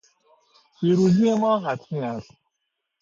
پیروزی ما حتمی است.